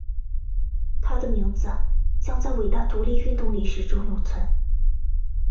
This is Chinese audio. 他的名字将在伟大独立运动历史中永存。